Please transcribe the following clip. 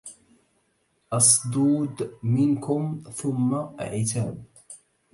أصدود منكم ثم عتاب